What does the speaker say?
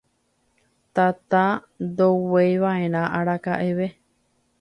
Tata ndogueivaʼerã arakaʼeve.